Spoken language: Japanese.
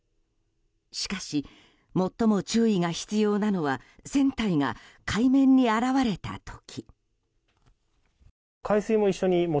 しかし、最も注意が必要なのは船体が海面に現れた時。